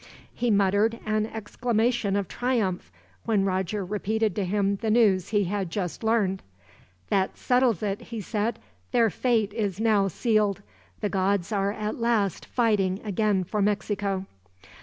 He muttered an exclamation of triumph, when Roger repeated to him the news he had just learned. "That settles it," he said. "Their fate is now sealed. The gods are at last fighting again for Mexico.